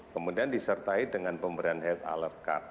kemudian disertai dengan pemberian health alert card